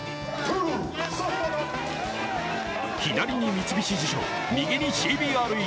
左に三菱地所、右にＣＢＲＥ。